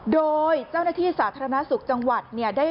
โดยเจ้าหน้าที่สาธารณสุขจังหวัดเนี่ย